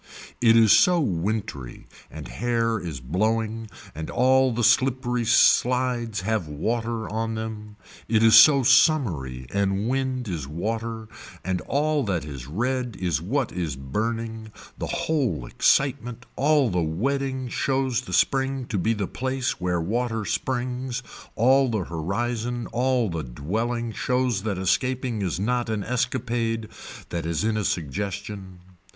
It is so wintry and hair is blowing and all the slippery slides have water on them, it is so summery and wind is water and all that is red is what is burning, the whole excitement, all the wedding shows the spring to be the place where water springs, all the horizon, all the dwelling shows that escaping is not an escapade that is in a suggestion.